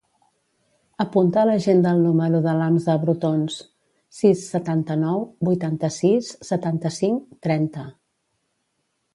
Apunta a l'agenda el número de l'Hamza Brotons: sis, setanta-nou, vuitanta-sis, setanta-cinc, trenta.